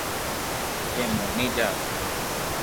ڪي موني جا